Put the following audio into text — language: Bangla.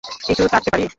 একটু চাটতে পারি?